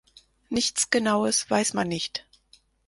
Nichts genaues weiß man nicht.